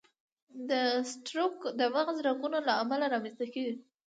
د سټروک د مغز رګونو له امله رامنځته کېږي.